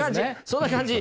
そんな感じ！